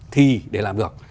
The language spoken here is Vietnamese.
thì để làm được